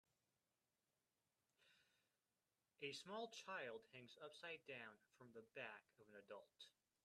A small child hangs upside down from the back of an adult.